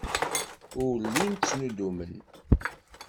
Ur llin ttnuddumen.